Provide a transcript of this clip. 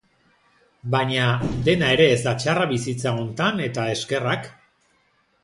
Baina, dena ere ez da txarra bizitza hontan eta eskerrak!